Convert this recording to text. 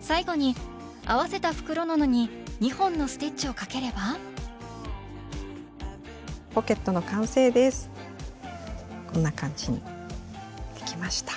最後に合わせた袋布に２本のステッチをかければ⁉こんな感じにできました。